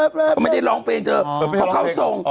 มันไม่ได้ร้องเพลงเจอ